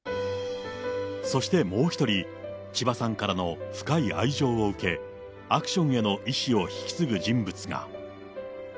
そしてもう１人、千葉さんからの深い愛情を受け、アクションへの遺志を引き継ぐ人物が。